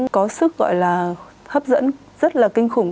có sức gọi là hấp dẫn rất là kinh khủng